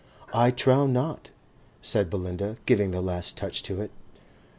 "I trow not," said Belinda, giving the last touch to it.